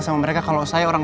terima kasih ya mas